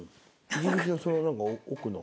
入り口のその何か奥の。